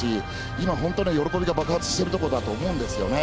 今、喜びが爆発しているところだと思うんですよね。